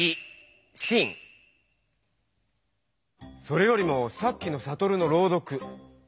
それよりもさっきのサトルの朗読！